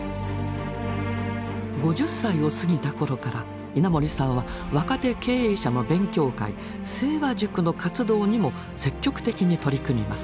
５０歳を過ぎた頃から稲盛さんは若手経営者の勉強会盛和塾の活動にも積極的に取り組みます。